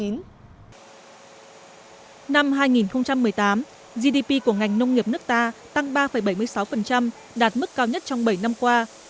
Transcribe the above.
năm hai nghìn một mươi tám gdp của ngành nông nghiệp nước ta tăng ba bảy mươi sáu đạt mức cao nhất trong bảy năm qua